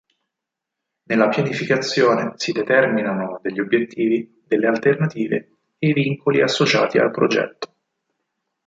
Nella pianificazione si determinano degli obiettivi, delle alternative e i vincoli associati al progetto.